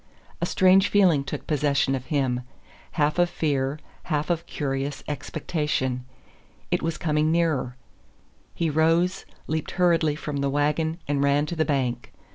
A strange feeling took possession of him half of fear, half of curious expectation. It was coming nearer. He rose, leaped hurriedly from the wagon, and ran to the bank.